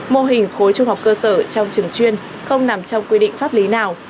mô hình khối trung học cơ sở trong trường chuyên không nằm trong quy định pháp lý nào